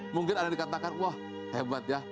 mungkin ada dikatakan wah hebat ya